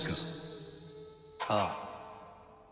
ああ。